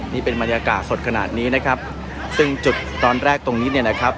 นี่เป็นบรรยากาศสดขนาดนี้นะครับซึ่งจุดตอนแรกตรงนี้เนี่ยนะครับ